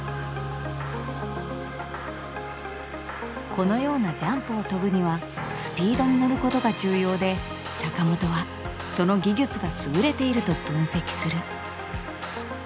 このようなジャンプを跳ぶにはスピードに乗ることが重要で坂本はその技術が優れていると分析する。